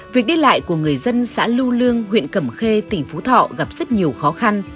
việc đi lại của người dân xã lưu lương huyện cẩm khê tỉnh phú thọ gặp rất nhiều khó khăn